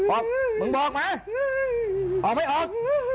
ออกมึงบอกไหมออกไม่ออก